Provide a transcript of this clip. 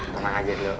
tenang aja dulu